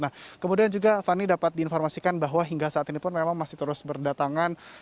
nah kemudian juga fani dapat diinformasikan bahwa hingga saat ini pun memang masih terus berdatangan